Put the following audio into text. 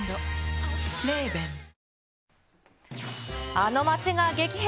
あの街が激変。